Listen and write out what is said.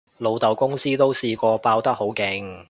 老豆公司都試過爆得好勁